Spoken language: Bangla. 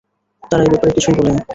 তারা এই ব্যাপারে কিছুই বলেনি।